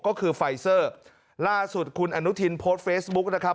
ก็คือไฟเซอร์ล่าสุดคุณอนุทินโพสต์เฟซบุ๊กนะครับ